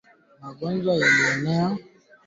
Kiazi lishe ukubwa wa gram ishirini